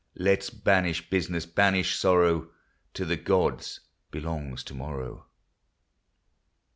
Let *s banish business, banish sorrow; To the gods belongs to morrow.